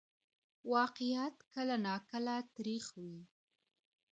واقعیت کله ناکله تریخ وي.